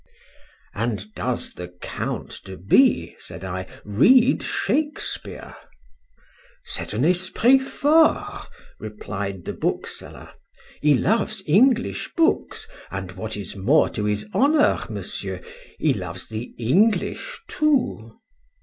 —And does the Count de B—, said I, read Shakespeare? C'est un esprit fort, replied the bookseller.—He loves English books! and what is more to his honour, Monsieur, he loves the English too.